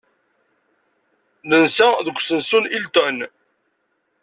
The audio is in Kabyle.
Nensa deg usensu n Hilton.